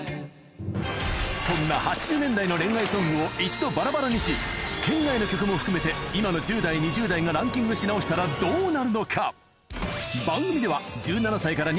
そんな８０年代の恋愛ソングを一度バラバラにし圏外の曲も含めて今の１０代２０代がランキングし直したらどうなるのか？